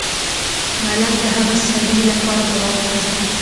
ملنګ د هغه سړی لپاره دعا وکړه.